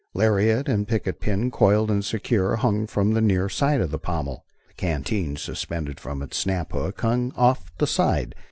Lariat and picket pin, coiled and secured, hung from the near side of the pommel. The canteen, suspended from its snap hook, hung at the off side.